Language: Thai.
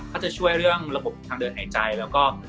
ก็จะช่วยเรื่องระบบทางเดินหายใจแล้วก็